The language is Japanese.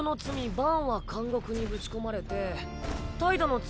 バンは監獄にぶち込まれて怠惰の罪